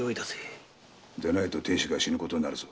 でないと亭主が死ぬことになるぞ。